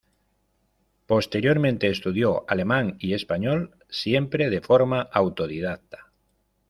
Posteriormente estudió alemán y español, siempre de forma autodidacta.